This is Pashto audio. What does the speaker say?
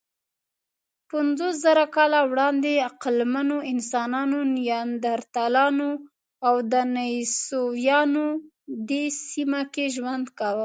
پنځوسزره کاله وړاندې عقلمنو انسانانو، نیاندرتالانو او دنیسووایانو دې سیمه کې ژوند کاوه.